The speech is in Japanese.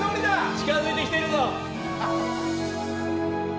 近づいてきてるぞ！